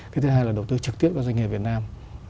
cái thứ hai là đầu tư trực tiếp cho doanh nghiệp việt nam